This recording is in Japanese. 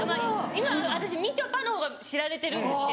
今私「みちょぱ」の方が知られてるんですけど。